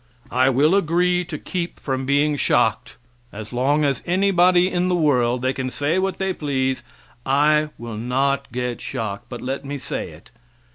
I will agree to keep from being shocked as long as anybody in the world they can say what they please; I will not get shocked, but let me say it.